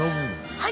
はい。